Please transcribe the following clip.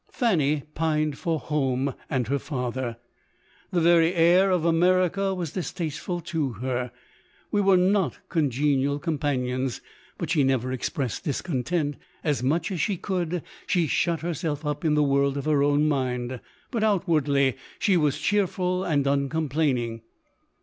Fanny pined for home, and her father. The very air of America w r as dis tasteful to her — we were not congenial com panions. But she never expressed discontent. As much as she could, she shut herself up in the world of her own mind ; but outwardly, she was cheerful and uncomplaining.